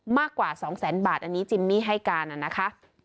มากกว่า๒แสนบาทอันนี้จิมมี่ให้การนะคะ